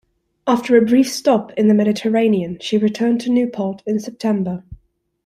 After a brief stop in the Mediterranean she returned to Newport in September.